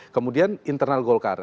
kemudian internal golkar